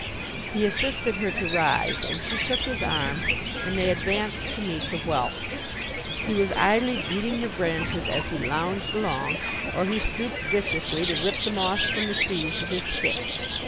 He assisted her to rise, and she took his arm, and they advanced to meet the whelp. He was idly beating the branches as he lounged along: or he stooped viciously to rip the moss from the trees with his stick.